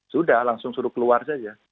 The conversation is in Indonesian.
sudah langsung suruh keluar saja